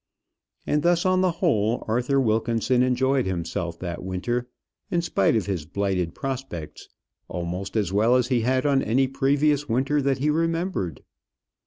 And thus on the whole Arthur Wilkinson enjoyed himself that winter, in spite of his blighted prospects, almost as well as he had on any previous winter that he remembered.